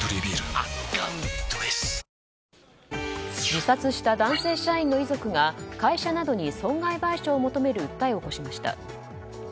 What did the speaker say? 自殺した男性社員の遺族が会社などに損害賠償を求める訴えを起こしました。